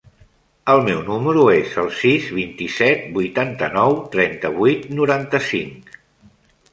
El meu número es el sis, vint-i-set, vuitanta-nou, trenta-vuit, noranta-cinc.